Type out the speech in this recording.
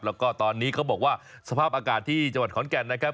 แล้วก็ตอนนี้เขาบอกว่าสภาพอากาศที่จังหวัดขอนแก่นนะครับ